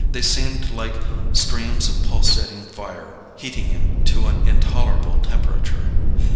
They seemed like streams of pulsating fire heating him to an intolerable temperature.